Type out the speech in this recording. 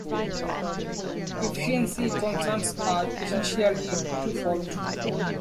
Efficiency concerns are essentially twofold.